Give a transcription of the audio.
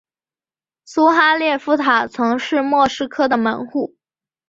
苏哈列夫塔曾是莫斯科的门户。